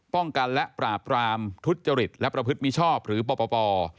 ป้องกันและปราบรามทุจริตและประพฤติมิชอบหรือปป